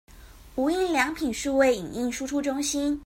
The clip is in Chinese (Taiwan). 無印良品數位影印輸出中心